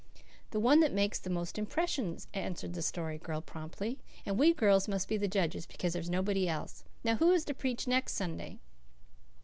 "The one that makes the most impression," answered the Story Girl promptly. "And we girls must be the judges, because there's nobody else. Now, who is to preach next Sunday?"